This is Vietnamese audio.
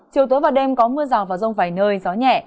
chiều tối và đêm có mưa rào và rông vài nơi gió nhẹ